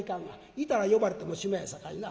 行たら呼ばれてもうしまいやさかいな。